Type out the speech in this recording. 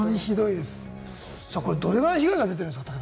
これどれくらい被害が出てるんですか？